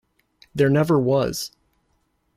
There never was...